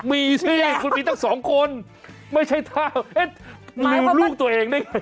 มีใช่คุณผู้ชายมีแต่๒คนไม่ใช่ท่าเห็นลูกตัวเองได้ไหม